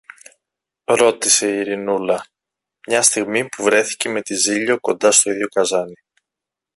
ρώτησε η Ειρηνούλα, μια στιγμή που βρέθηκε με τη Ζήλιω κοντά στο ίδιο καζάνι.